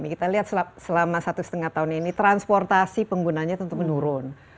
kita lihat selama satu setengah tahun ini transportasi penggunanya tentu menurun